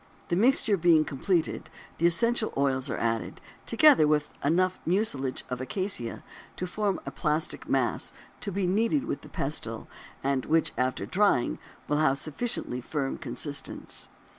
The mixture being completed, the essential oils are added, together with enough mucilage of acacia to form a plastic mass to be kneaded with the pestle, and which after drying will have a sufficiently firm consistence.